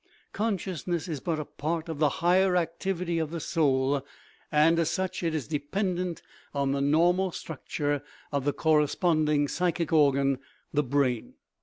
Consciousness is but a part of the higher activity of the soul, and as 182 CONSCIOUSNESS such it is dependent on the normal structure of the cor responding psychic organ, the brain.